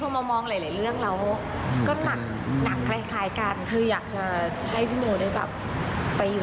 พอโมมองหลายเรื่องแล้วก็หนักหนักคล้ายกันคืออยากจะให้พี่โมได้แบบไปอยู่